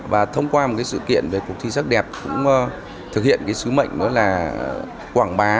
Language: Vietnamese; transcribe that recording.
và thông qua một sự kiện về cuộc thi sắc đẹp cũng thực hiện sứ mệnh là quảng bá